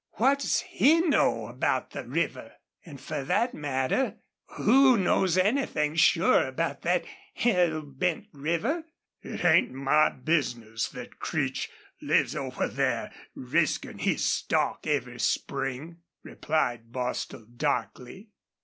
What's he know about the river? An' fer that matter, who knows anythin' sure about thet hell bent river?" "It ain't my business thet Creech lives over there riskin' his stock every spring," replied Bostil, darkly.